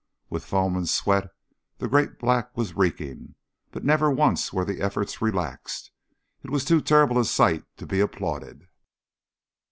With foam and sweat the great black was reeking, but never once were the efforts relaxed. It was too terrible a sight to be applauded.